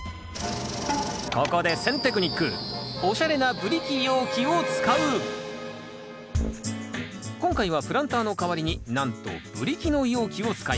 ここで選テクニック今回はプランターの代わりになんとブリキの容器を使います。